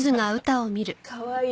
「かわいい」